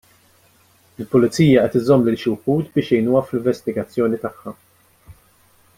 Il-Pulizija qed iżżomm lil xi wħud biex jgħinuha fl-investigazzjoni tagħha.